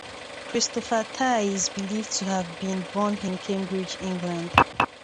Christopher Tye is believed to have been born in Cambridge, England.